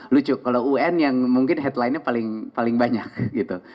lucu kalau un yang mungkin headlinenya paling banyak gitu